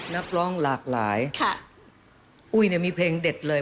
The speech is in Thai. นักร้องหลากหลายค่ะอุ้ยเนี่ยมีเพลงเด็ดเลย